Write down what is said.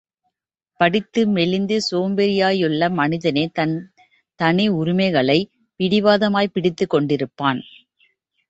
படித்து, மெலிந்து சோம்பேறியாயுள்ள மனிதனே தன் தனி உரிமைகளைப் பிடிவாதமாய்ப் பிடித்துக் கொண்டிருப்பான்.